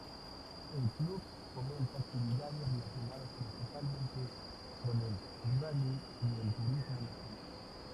El club fomenta actividades relacionados principalmente con el rally y el turismo nacional.